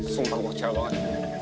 sumpah gue cewek banget